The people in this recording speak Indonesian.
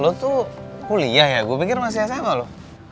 lo tuh kuliah ya gue pikir masih sma loh